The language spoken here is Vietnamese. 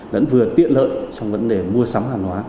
vẫn vừa tiện lợi trong vấn đề mua sắm hàng hóa